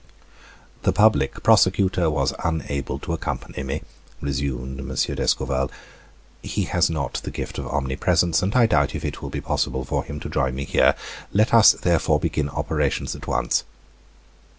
"The public prosecutor was unable to accompany me," resumed M. d'Escorval, "he has not the gift of omnipresence, and I doubt if it will be possible for him to join me here. Let us, therefore, begin operations at once."